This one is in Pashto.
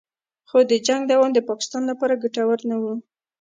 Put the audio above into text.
خو د جنګ دوام د پاکستان لپاره ګټور نه و